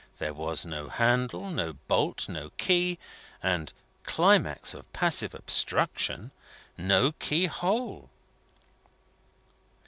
There was no handle, no bolt, no key, and (climax of passive obstruction!) no keyhole.